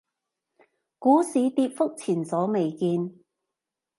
股市跌幅前所未見